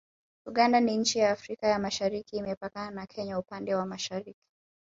Uganda ni nchi ya Afrika ya Mashariki Imepakana na Kenya upande wa mashariki